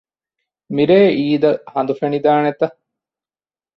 މިރޭ އީދަށް ހަނދު ފެނިދާނެތަ؟